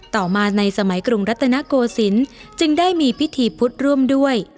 ต่อมาในสมัยกรุงรัตนโกศิลป์จึงได้มีพิธีพุทธร่วมด้วย